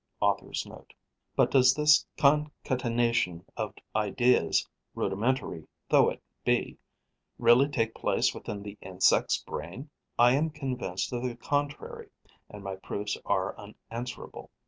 Author's Note.) But does this concatenation of ideas, rudimentary though it be, really take place within the insect's brain? I am convinced of the contrary; and my proofs are unanswerable.